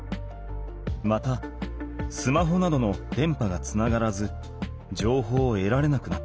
またスマホなどの電波がつながらずじょうほうをえられなくなってきた。